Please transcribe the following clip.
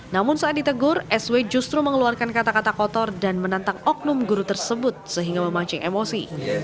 namun saat ditegur sw justru mengeluarkan kata kata kotor dan menantang oknum guru tersebut sehingga memancing emosi